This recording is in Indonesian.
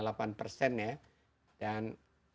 dan dianjurkan itu tidak lebih dari satu perut